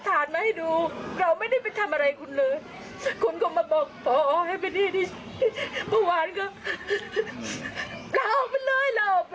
คุณก็มาบอกพ่อออกให้ไปที่นี่พ่อวานก็เราออกไปเลยเราออกไปเลย